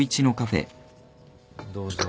どうぞ。